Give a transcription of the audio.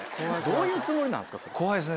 どういうつもりなんですか？